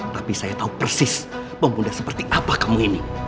tapi saya tahu persis pemuda seperti apa kamu ini